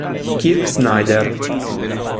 Kirk Snyder